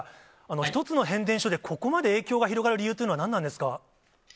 １つの変電所でここまで影響が広がる理由というのは何なんですか。